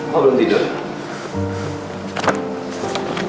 kamu belum tidur